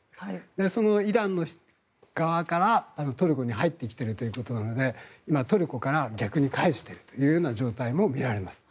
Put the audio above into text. そのイラン側からトルコに入ってきているということなのでトルコから逆に帰しているという状態も見られます。